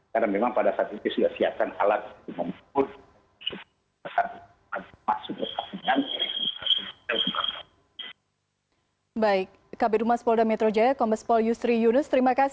karena memang pada saat ini sudah siapkan alat untuk memutuskan